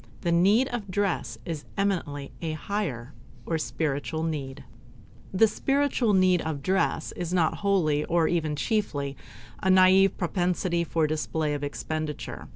The need of dress is eminently a "higher" or spiritual need. This spiritual need of dress is not wholly, nor even chiefly, a naive propensity for display of expenditure.